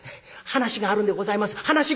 話があるんでございます」。